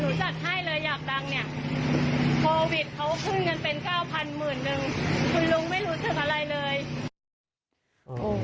แต่หนูจัดให้เลยอยากรังเนี้ยเค้าเพิ่งเงินเป็นเก้าพันหมื่นหนึ่ง